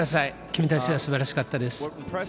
君たちはすばらしかったです。